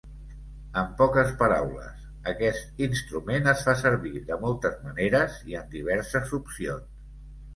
En poques paraules, aquest instrument es fa servir de moltes maneres i en diverses opcions.